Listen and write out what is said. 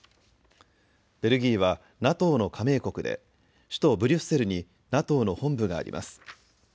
ベルギーはＮＡＴＯの加盟国で首都ブリュッセルにＮＡＴＯの本部があります。